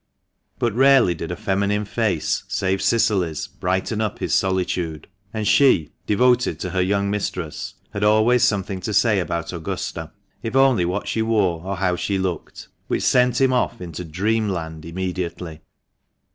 But rarely did a feminine face save Cicily's brighten up his solitude, and she, devoted to her young mistress, had always something to say about Augusta, if only what she wore or how she looked, which sent him off into dreamland immediately.